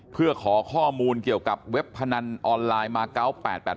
เพื่อขอข้อมูลเกี่ยวกับเว็บพนันออนไลน์มาเกาะ๘๘๘